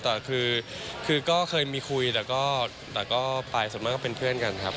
แต่คือก็เคยมีคุยแต่ก็ไปส่วนมากก็เป็นเพื่อนกันครับ